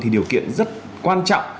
thì điều kiện rất quan trọng